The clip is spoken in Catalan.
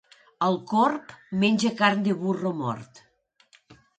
El corb menja carn de burro mort.